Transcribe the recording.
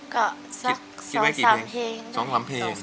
ก็สัก๒๓เพลง